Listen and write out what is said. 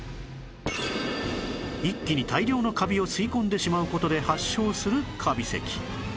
一気に大量のカビを吸い込んでしまう事で発症するカビ咳